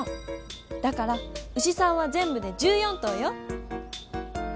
だから牛さんはぜんぶで１４頭よ。